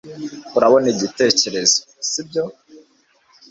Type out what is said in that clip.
urabona igitekerezo, sibyo